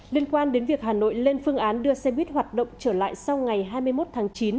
liên quan đến việc hà nội lên phương án đưa xe buýt hoạt động trở lại sau ngày hai mươi một tháng chín